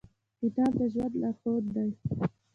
کتاب د ژوند لارښود دی.